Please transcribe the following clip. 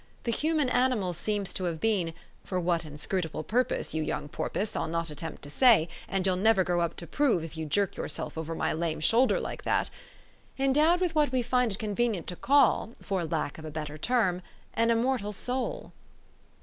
The human animal seems to have been (for what inscrutable purpose, you 3'oung porpoise, I'll not attempt to say, and you'll never grow up to prove, if you jerk yourself over my lame shoulder like that) endowed with what we find it convenient to call, for lack of a better term, an immortal soul."